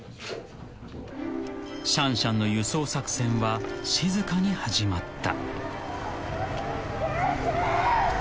［シャンシャンの輸送作戦は静かに始まった］